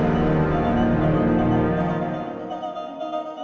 gak disitu mirip sekali dengan rani